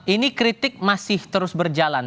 ini kritik masih terus berjalan